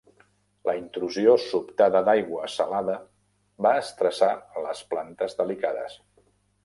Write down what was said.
La intrusió sobtada d'aigua salada va estressar les plantes delicades.